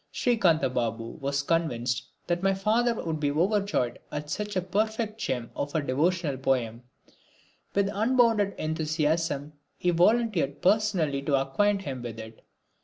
Srikantha Babu was convinced that my father would be overjoyed at such a perfect gem of a devotional poem. With unbounded enthusiasm he volunteered personally to acquaint him with it.